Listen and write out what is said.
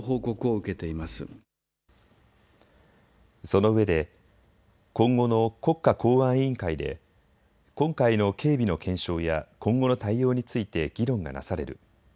そのうえで、今後の国家公安委員会で今回の警備の検証や今後の対応について議論がなされる。